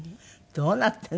どうなってるの？